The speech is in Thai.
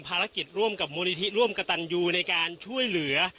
ภารกิจร่วมกับมนุษย์ที่ร่วมกับตันยูในการช่วยเหลือ